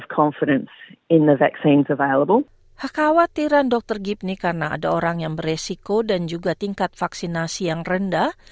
kewatiran dr gibney karena ada orang yang beresiko dan juga tingkat vaksinasi yang rendah